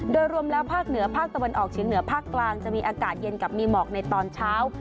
โดยรวมแล้วภาคเหนือภาคตะวันออกเฉียงเหนือภาคกลางจะมีอากาศเย็นกับมีหมอกในตอนเช้า